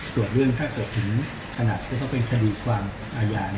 ส่วนเรื่องถ้าเกิดถึงขนาดจะต้องเป็นคดีความอาญา